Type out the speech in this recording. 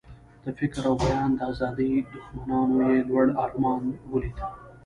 د فکر او بیان د آزادۍ دښمنانو یې لوړ ارمان ولید.